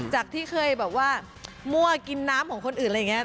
จากที่เคยแบบว่ามั่วกินน้ำของคนอื่นอะไรอย่างนี้